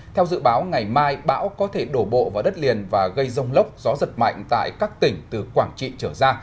theo dự báo ngày mai bão có thể đổ bộ vào đất liền và gây rông lốc gió giật mạnh tại các tỉnh từ quảng trị trở ra